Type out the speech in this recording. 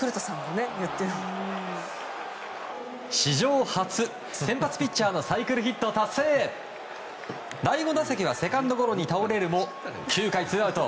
史上初、先発ピッチャーのサイクルヒット達成へ第５打席はセカンドゴロに倒れるも９回ツーアウト